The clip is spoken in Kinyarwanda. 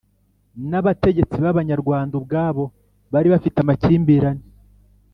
n'abategetsi b'abanyarwanda ubwabo bari bafite amakimbirane